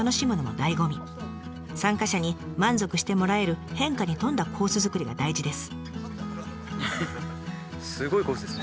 参加者に満足してもらえる変化に富んだコース作りが大事です。